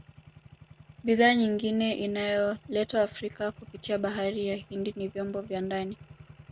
Bidhaa nyingine inayoletwa Afrika kupitia bahari ya Hindi ni vyombo vya ndani